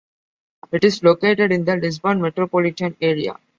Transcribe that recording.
It is located in the Lisbon metropolitan area.